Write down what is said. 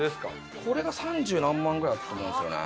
これが三十何万ぐらいだったと思うんですよね。